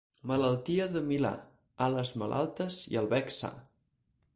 Malaltia de milà, ales malaltes i el bec sa.